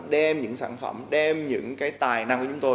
đem những sản phẩm đem những cái tài năng của chúng tôi